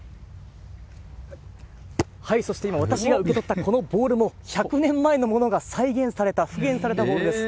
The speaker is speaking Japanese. そして今、私が受け取ったこのボールも、１００年前のものが再現された、復元されたボールです。